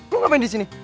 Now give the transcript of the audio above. lo ngapain di sini